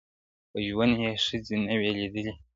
په ژوند یې ښځي نه وې لیدلي ,